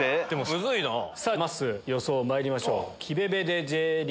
さぁまっすー予想まいりましょう。